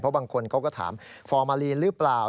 บางคนเขาก็ถามฟอร์มาลีนหรือเปล่า